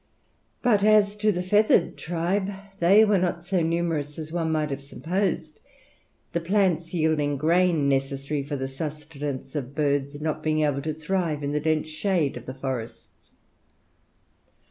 But as to the feathered tribe, they were not so numerous as one might have supposed; the plants yielding grain necessary for the sustenance of birds not being able to thrive in the dense shade of the forests.